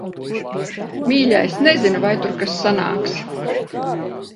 Mīļais, nezinu, vai tur kas sanāks.